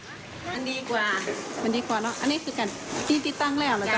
อันนี้คือการติดตั้งแล้ว